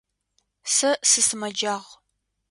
Сэ сысымэджагъ.